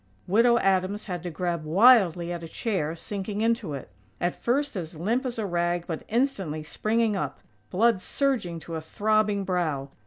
_" Widow Adams had to grab wildly at a chair, sinking into it; at first as limp as a rag, but instantly springing up, blood surging to a throbbing brow.